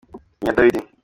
Ni iya Dawidi.